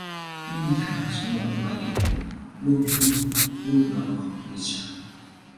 ไม่มีทาง ฉันหวังว่าอย่างนั้นนะ ลูกพี่ลูกน้องริชาร์ด